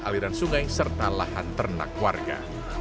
aliran sungai serta lahan ternak warga